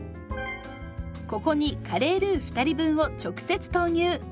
ここにカレールー２人分を直接投入。